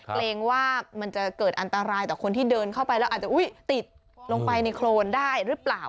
เกรงว่ามันจะเกิดอันตรายต่อคนที่เดินเข้าไปแล้วอาจจะติดลงไปในโครนได้หรือเปล่า